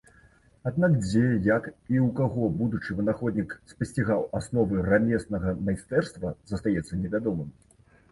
Аднак, дзе, як і ў каго будучы вынаходнік спасцігаў асновы рамеснага майстэрства, застаецца невядомым.